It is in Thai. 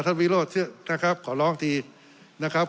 ท่านวิโรธเชื่อนะครับขอร้องทีนะครับ